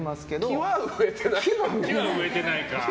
木は植えてない。